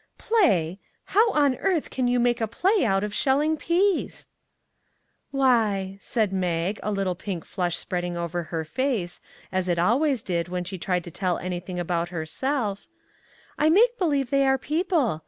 " Play ! How on earth can you make a play out of shelling peas ?"" Why," said Mag, a little pink flush spread ing over her face, as it always did when she tried to tell anything about herself, " I make believe they are people.